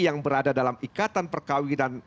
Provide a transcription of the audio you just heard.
yang berada dalam ikatan perkawinan